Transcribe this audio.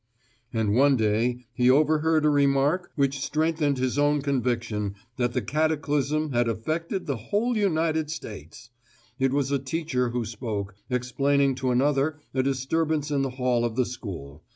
And one day he overheard a remark which strengthened his growing conviction that the cataclysm had affected the whole United States: it was a teacher who spoke, explaining to another a disturbance in the hall of the school.